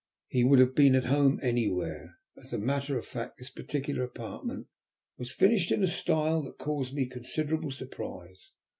He would have been at home anywhere. As a matter of fact this particular apartment was furnished in a style that caused me considerable surprise.